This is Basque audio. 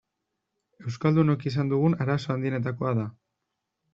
Euskaldunok izan dugun arazo handienetakoa da.